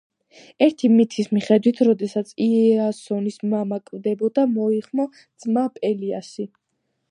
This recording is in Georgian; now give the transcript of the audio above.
ერთი მითის მიხედვით, როდესაც იასონის მამა კვდებოდა, მოიხმო ძმა პელიასი.